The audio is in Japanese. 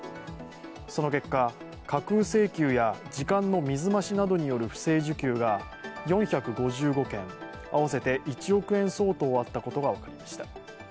その結果、架空請求や時間の水増しなどによる不正受給が４５５件、合わせて１億円相当あったことが分かりました。